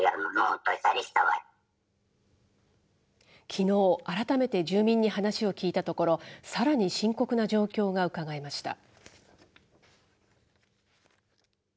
きのう、改めて住民に話を聞いたところ、さらに深刻な状況がうかがえました。